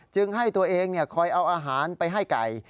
ให้ตัวเองคอยเอาอาหารไปให้ไก่